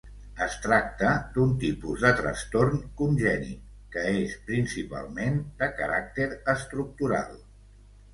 Es tracta d'un tipus de trastorn congènit que és principalment de caràcter estructural.